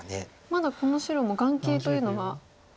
まだこの白も眼形というのは。